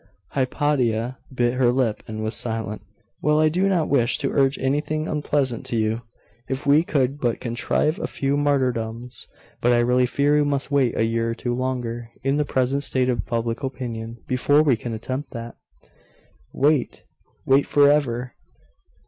Hypatia bit her lip, and was silent. 'Well, I do not wish to urge anything unpleasant to you.... If we could but contrive a few martyrdoms but I really fear we must wait a year or two longer, in the present state of public opinion, before we can attempt that.' 'Wait? wait for ever!